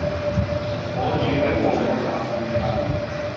我住喺旺角站附近